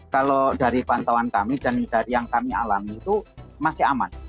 kalau dari pantauan kami dan dari yang kami alami itu masih aman